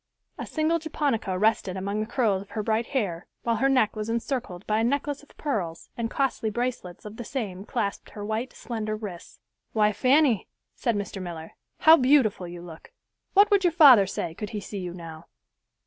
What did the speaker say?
A single japonica rested among the curls of her bright hair, while her neck was encircled by a necklace of pearls, and costly bracelets of the same clasped her white, slender wrists. "Why, Fanny," said Mr. Miller, "how beautiful you look. What would your father say could he see you now?"